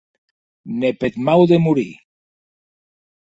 Ne peth mau de morir!